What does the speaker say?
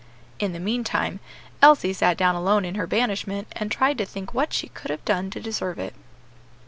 In the meantime, Elsie sat down alone in her banishment, and tried to think what she could have done to deserve it.